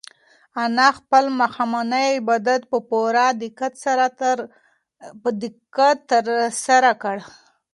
انا خپل ماښامنی عبادت په پوره دقت ترسره کړی و.